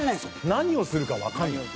何をするかわかんない。